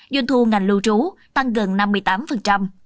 doanh thu ngành lưu trú tăng gần năm mươi tám